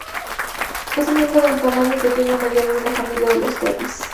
Es un miembro de tamaño pequeño a mediano de la familia de los terriers.